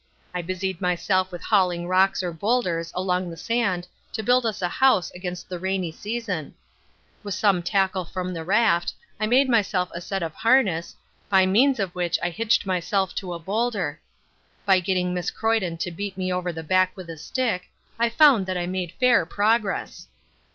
I busied myself with hauling rocks or boulders along the sand to build us a house against the rainy season. With some tackle from the raft I had made myself a set of harness, by means of which I hitched myself to a boulder. By getting Miss Croyden to beat me over the back with a stick, I found that I made fair progress.